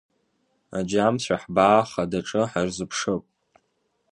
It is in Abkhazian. Аџьамцәа ҳбаа хадаҿы ҳарзыԥшып.